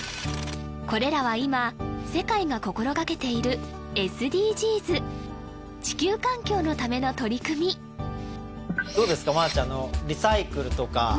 これらは今世界が心掛けているＳＤＧｓ地球環境のための取り組みどうですか？